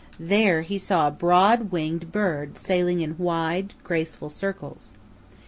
There he saw a broad winged bird sailing in wide, graceful circles.